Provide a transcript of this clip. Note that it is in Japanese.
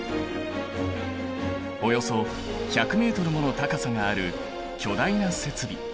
およそ１００ｍもの高さがある巨大な設備。